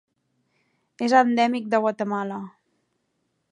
És endèmic de Guatemala.